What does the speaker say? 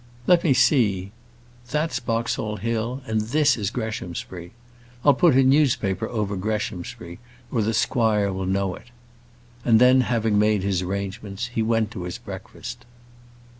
Let me see; that's Boxall Hill, and this is Greshamsbury. I'll put a newspaper over Greshamsbury, or the squire will know it!" and then, having made his arrangements, he went to his breakfast.